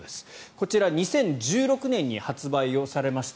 こちら２０１６年に発売をされました。